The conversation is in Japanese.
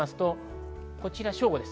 こちら正午です。